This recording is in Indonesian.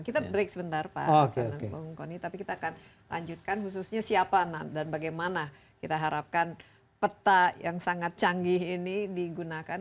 kita break sebentar pak bung kony tapi kita akan lanjutkan khususnya siapa dan bagaimana kita harapkan peta yang sangat canggih ini digunakan